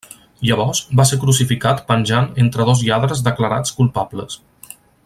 Llavors, va ser crucificat penjant entre dos lladres declarats culpables.